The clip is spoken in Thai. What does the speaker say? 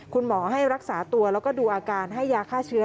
คุณหมอให้รักษาตัวแล้วก็ดูอาการให้ยาฆ่าเชื้อ